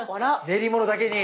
練り物だけに！